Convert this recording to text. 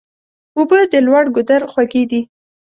اوبه د لوړ ګودر خوږې دي.